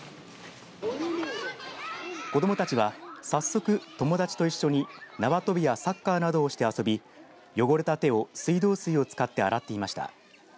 子どもたちは早速、友達と一緒に縄跳びやサッカーなどをして遊び汚れた手を水道水を使って洗っていました。